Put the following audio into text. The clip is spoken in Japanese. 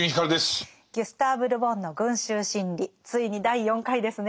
ギュスターヴ・ル・ボンの「群衆心理」ついに第４回ですね。